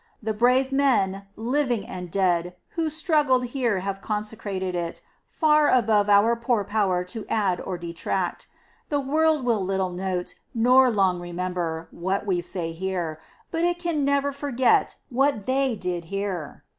The brave men, living and dead, who struggled here have consecrated it, far above our poor power to add or detract. The world will little note, nor long remember, what we say here, but it can never forget what they did here.